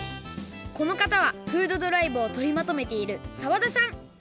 このかたはフードドライブをとりまとめている澤田さん。